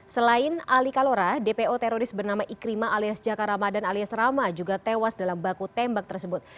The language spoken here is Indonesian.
selain ali kalora dpo teroris bernama ikrima alias jaka ramadan alias rama juga tewas dalam baku tembak tersebut